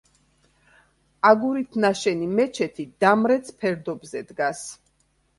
აგურით ნაშენი მეჩეთი დამრეც ფერდობზე დგას.